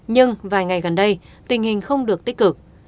nhưng vài ngày gần đây tình hình không được tích cực